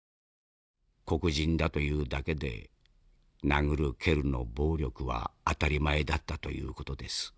黒人だというだけで殴る蹴るの暴力は当たり前だったという事です」。